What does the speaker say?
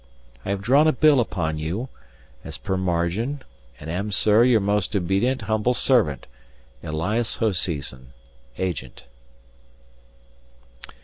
I have drawn a bill upon you, as per margin, and am, sir, your most obedt., humble servant, "ELIAS HOSEASON." * Agent.